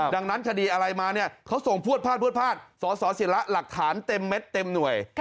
ดังนั้นคดีอะไรมาเขาส่งพวดพลาดสอสอสีระหลักฐานเต็มเม็ดเต็มหน่วย